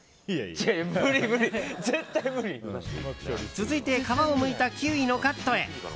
続いて皮をむいたキウイのカットへ。